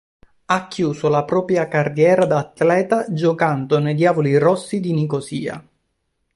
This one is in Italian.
Ha chiuso la propria carriera da atleta giocando nei Diavoli Rossi di Nicosia.